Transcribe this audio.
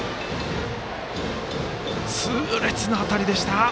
痛烈な当たりでした。